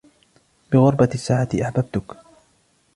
بغربةِ الساعة أحببتك